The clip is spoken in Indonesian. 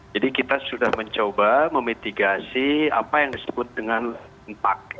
jadi kita sudah mencoba memitigasi apa yang disebut dengan lempak